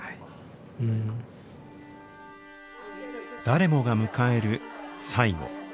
誰もが迎える最期。